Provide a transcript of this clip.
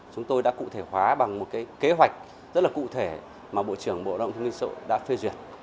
chúng tôi đã cụ thể hóa bằng một kế hoạch rất là cụ thể mà bộ trưởng bộ lao động thương bình xã hội đã phê duyệt